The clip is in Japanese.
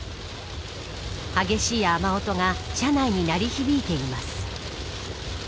激しい雨音が車内に鳴り響いています。